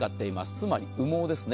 つまり羽毛です。